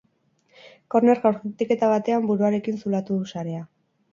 Korner jaurtiketa batean, buruarekin zulatu du sarea.